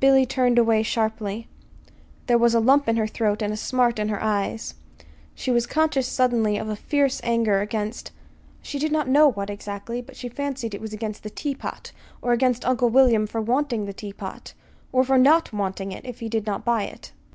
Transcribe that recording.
Billy turned away sharply. There was a lump in her throat and a smart in her eyes. She was conscious suddenly of a fierce anger against she did not know what, exactly; but she fancied it was against the teapot, or against Uncle William for wanting the teapot, or for not wanting it if he did not buy it.